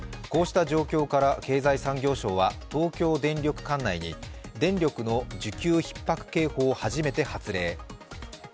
こうした状況から経済産業省は東京電力管内に電力の需給ひっ迫警報を初めて発令。